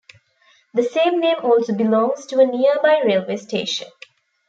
The same name also belongs to a nearby railway station.